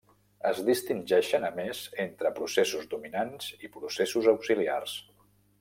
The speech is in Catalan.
Es distingeixen a més entre processos dominants i processos auxiliars.